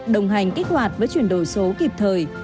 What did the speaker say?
đồng hành kích hoạt với chuyển đổi số kịp thời